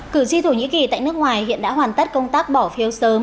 cử tri thổ nhĩ kỳ tại nước ngoài hiện đã hoàn tất công tác bỏ phiếu sớm